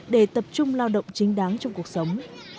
để tập trung lao động chính đáng trong cuộc sống